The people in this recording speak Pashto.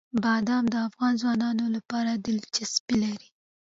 بادام د افغان ځوانانو لپاره دلچسپي لري.